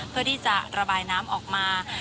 เพื่อที่จะระบายน้ำออกมา